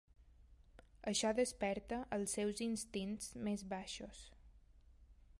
Això desperta els seus instints més baixos.